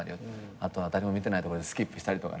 あとは誰も見てないところでスキップしたりとかね。